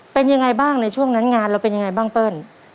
เป็นยังไงบ้างในช่วงนั้นงานเราเป็นยังไงบ้างเปิ้ล